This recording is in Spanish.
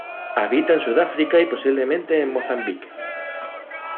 Habita en Sudáfrica y posiblemente en Mozambique.